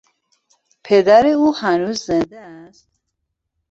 پدر او هنوز زنده است؟